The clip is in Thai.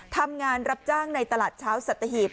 ทำงานรับจ้างในตลาดเช้าสัตหีบ